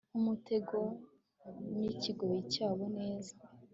nkumutego nikigoyi cyabo neza